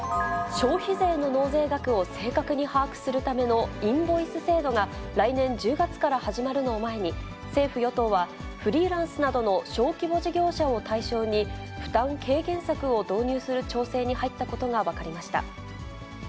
消費税の納税額を正確に把握するためのインボイス制度が、来年１０月から始まるのを前に、政府・与党は、フリーランスなどの小規模事業者を対象に、負担軽減策を導入する調整に入ったことが分かりました。